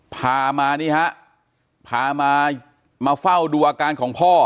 พามานี่ฮะพามามาเฝ้าดูอาการของพ่อ